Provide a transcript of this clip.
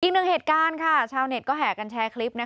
อีกหนึ่งเหตุการณ์ค่ะชาวเน็ตก็แห่กันแชร์คลิป